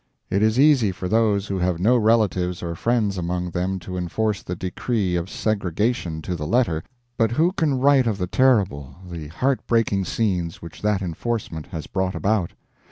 It is easy for those who have no relatives or friends among them to enforce the decree of segregation to the letter, but who can write of the terrible, the heart breaking scenes which that enforcement has brought about?